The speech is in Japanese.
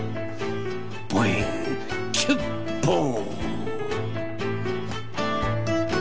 ボイーンキュッボーン。